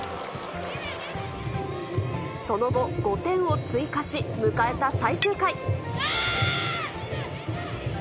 その後、５点を追加し、迎えた最終回。